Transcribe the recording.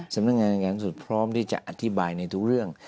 สำนวงงานการรับการส่วนพร้อมที่จะอธิบายในทุกเรื่อง